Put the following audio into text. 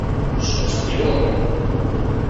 Sono stati loro.